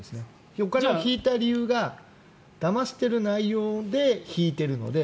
お金を引いた理由がだましてる内容で引いてるので。